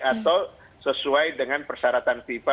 atau sesuai dengan persyaratan fifa